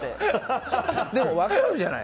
でも、分かるじゃない。